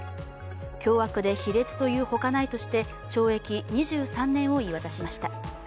凶悪で卑劣というほかないとして懲役２３年を言い渡しました。